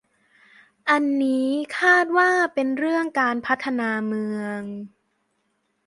อันนี้คาดว่าเป็นเรื่องการพัฒนาเมือง